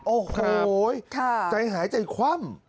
โอ้โหใจหายใจคว่ำ